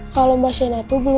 kalau mbak shena tuh belum